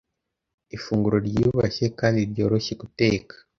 Ifunguro ryiyubashye kandi ryoroshye guteka